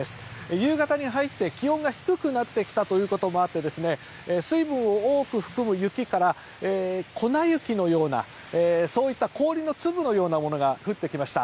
夕方に入って、気温が低くなってきたこともあって水分を多く含む雪から粉雪のようなそういった氷の粒のようなものが降ってきました。